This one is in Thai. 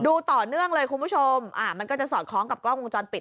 ดูต่อเนื่องเลยคุณผู้ชมอ่ามันก็จะสอดคล้องกับกล้องวงจรปิด